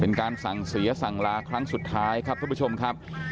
เป็นการสั่งเสียสั่งลาครั้งสุดท้ายครับท่านผู้ชมครับ